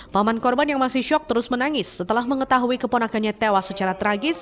paman korban yang masih syok terus menangis setelah mengetahui keponakannya tewas secara tragis